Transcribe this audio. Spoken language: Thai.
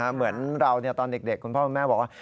เหมือนเราตอนเด็กคุณพ่อคุณแม่บอกว่า